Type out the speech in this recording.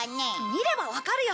見ればわかるよ。